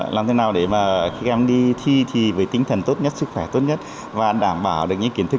làm thế nào để mà khi em đi thi thì với tinh thần tốt nhất sức khỏe tốt nhất và đảm bảo được những kiến thức